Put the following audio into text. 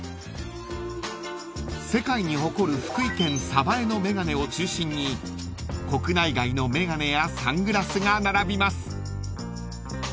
［世界に誇る福井県鯖江の眼鏡を中心に国内外の眼鏡やサングラスが並びます］